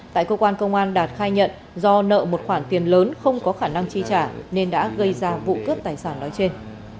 tại cơ quan công an đạt khai nhận do nợ một khoản tiền lớn không có khả năng chi trả nên đã gây ra vụ cướp tài sản nói trên